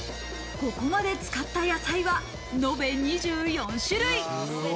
ここまで使った野菜はのべ２４種類。